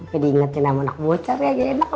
sampai diingetin nama nak bocor ya